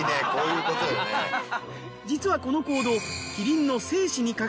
実はこの行動。